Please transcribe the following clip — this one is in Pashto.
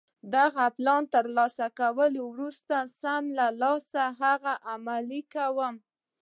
د دغه پلان له ترلاسه کولو وروسته سم له لاسه هغه عملي کوم.